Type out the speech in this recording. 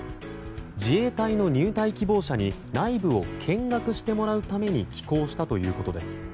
自衛隊の入隊希望者に内部を見学してもらうために寄港したということです。